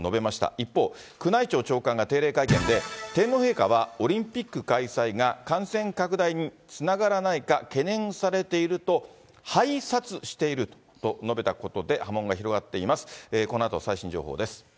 一方、宮内庁長官が定例会見で、天皇陛下はオリンピック開催が感染拡大につながらないか懸念されていると拝察していると述べたことで、波紋が広がっています。